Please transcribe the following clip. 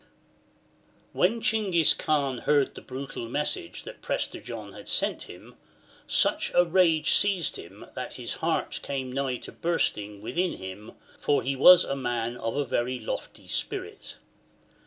When Chinghis Kaan heard the brutal message that Prester John had sent him, such rage seized him that his heart came nigh to bursting within him, for he was a man of a very lofty spirit.